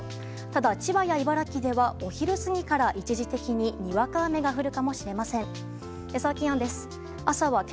ただ、千葉や茨城ではお昼過ぎから一時的ににわか雨が降るかもしれません。